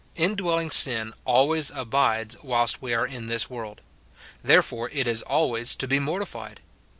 Indwelling sin always abides whilst we are in this world ; therefore it is always to be mortified.